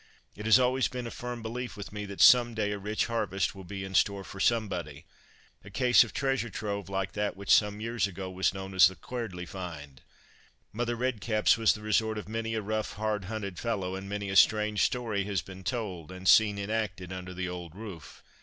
It has always been a firm belief with me that some day a rich harvest will be in store for somebody a case of treasure trove like that which some years ago was known as "the Cuerdly Find." Mother Redcap's was the resort of many a rough, hard hunted fellow, and many a strange story has been told, and scene enacted, under the old roof.